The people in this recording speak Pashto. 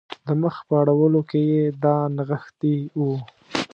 د مخ په اړولو کې یې دا نغښتي وو.